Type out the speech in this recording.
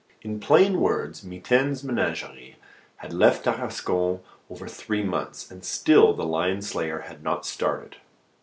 In plain words, Mitaine's Menagerie had left Tarascon over three months, and still the lion slayer had not started.